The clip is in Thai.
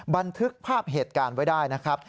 บันทึกภาพเหตุการณ์ไว้ได้นะครับ